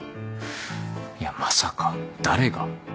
いやまさか誰が。